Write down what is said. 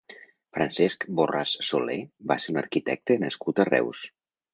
Francesc Borràs Soler va ser un arquitecte nascut a Reus.